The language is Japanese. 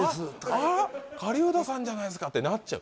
「あっ狩人さんじゃないですか」ってなっちゃう